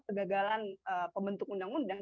kegagalan pembentuk undang undang